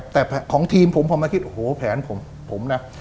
แต่ของทีมผมผมมาคิดโอ้โหแผนผมนะ